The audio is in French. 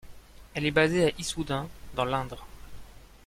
Elle est basée à Issoudun dans l'Indre.